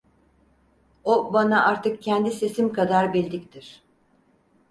O, bana artık kendi sesim kadar bildiktir.